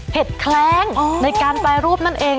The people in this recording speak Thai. เห็ดแคลงในการแปรรูปนั่นเอง